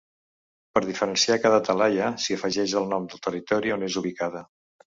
Per diferenciar cada talaia s'hi afegeix el nom del territori on és ubicada.